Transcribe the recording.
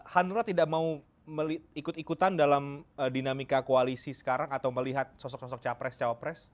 hanura tidak mau ikut ikutan dalam dinamika koalisi sekarang atau melihat sosok sosok capres cawapres